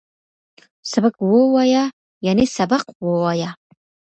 سبک وویه ، یعنی سبق ووایه